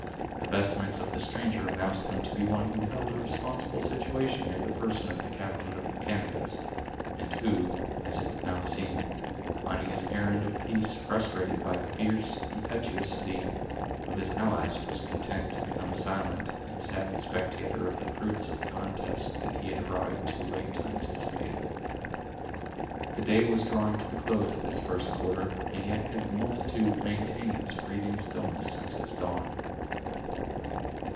The vestments of the stranger announced him to be one who held a responsible situation near the person of the captain of the Canadas; and who, as it would now seem, finding his errand of peace frustrated by the fierce impetuosity of his allies, was content to become a silent and sad spectator of the fruits of a contest that he had arrived too late to anticipate. The day was drawing to the close of its first quarter, and yet had the multitude maintained its breathing stillness since its dawn.